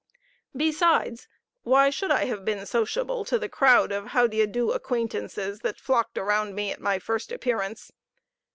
Besides, why should I have been sociable to the crowd of how d'ye do acquaintances that flocked around me at my first appearance?